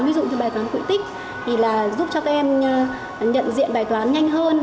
ví dụ như bài toán quỹ tích thì là giúp cho các em nhận diện bài toán nhanh hơn